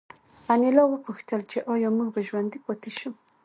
انیلا وپوښتل چې ایا موږ به ژوندي پاتې شو